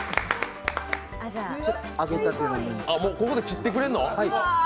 ここで切ってくれるの？